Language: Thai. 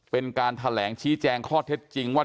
เป็นการแถลงชี้แจงข้อเท็จจริงว่า